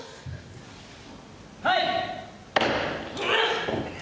はい！